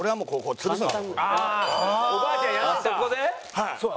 はい。